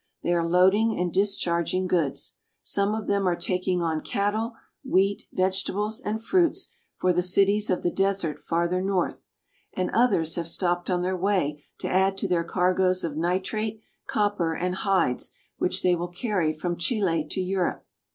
They are loading and discharging goods. Some of them are taking on cattle, wheat, vegetables, and fruits for the cities of the desert farther north, and others have stopped on their way to add to their cargoes of nitrate, copper, and hides, which they will carry from Chile to Europe.